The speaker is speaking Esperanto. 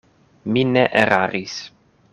Mi ne eraris.